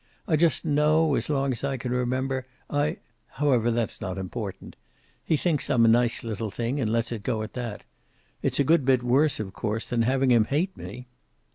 I just know, as long as I can remember, I however, that's not important. He thinks I'm a nice little thing and lets it go at that. It's a good bit worse, of course, than having him hate me."